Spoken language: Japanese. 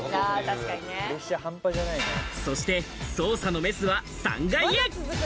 そして捜査のメスは３階へ。